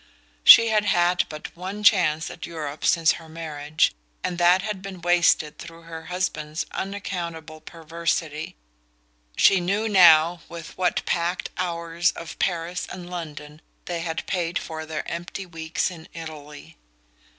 She had had but one chance at Europe since her marriage, and that had been wasted through her husband's unaccountable perversity. She knew now with what packed hours of Paris and London they had paid for their empty weeks in Italy.